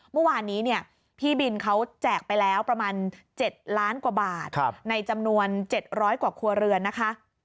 เมื่อวานนี้พี่บินเขาแจกไปแล้วประมาณ๗ล้านกว่าบาทในจำนวน๗๐๐กว่าครัวเรือนนะคะ